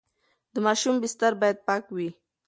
د ماشوم بستر باید پاک وي.